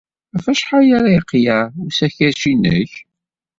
Ɣef wacḥal ara yeqleɛ usakac-nnek?